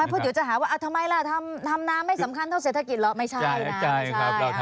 พายพูดอยู่จะหาว่าทำไมล่ะทำน้ำไม่สำคัญเท่าเศรษฐกิจเหรอ